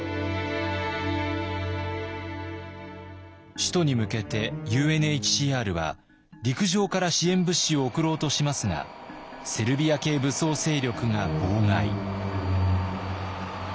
首都に向けてＵＮＨＣＲは陸上から支援物資を送ろうとしますがセルビア系武装勢力が妨害。